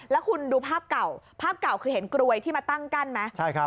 แล้วคุณดูภาพเก่าภาพเก่าคือเห็นกรวยที่มาตั้งกั้นไหม